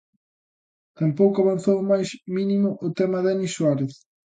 Tampouco avanzou o máis mínimo o tema Denis Suárez...